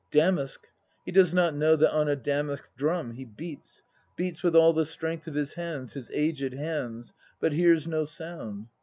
. Aye, damask! He does not know That on a damask drum he beats, Beats with all the strength of his hands, his aged hands, But hears no sound.